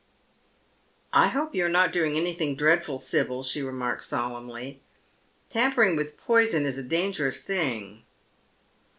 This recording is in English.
"I hope you are not doing anything dreadful, Sibyl," she /emarks solemnly. " Tampering with poison is a dangerous thing."